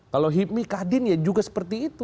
kalau hibmi kadin ya juga seperti itu